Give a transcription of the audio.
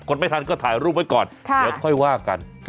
ไม่ทันก็ถ่ายรูปไว้ก่อนเดี๋ยวค่อยว่ากัน